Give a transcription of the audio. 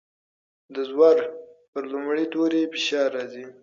د زور پر لومړي توري فشار راځي.